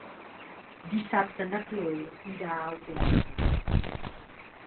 Dissabte na Cloè irà al teatre.